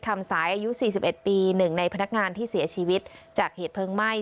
คำสายอายุสี่สิบเอ็ดปีหนึ่งในพนักงานที่เสียชีวิตจากเหตุเพลิงไหม้